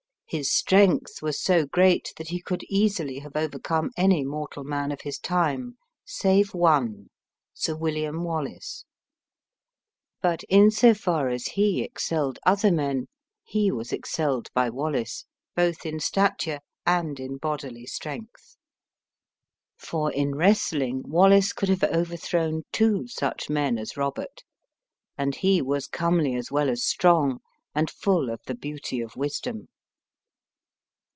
His strength was so great that he could easily have overcome any mortal man of his time, save one Sir William Wallace! But in so far as he excelled other men, he was excelled by Wallace, both in stature and in bodily strength! For in wrestling, Wallace could have overthrown two such men as Robert. And he was comely as well as strong, and full of the beauty of wisdom.'"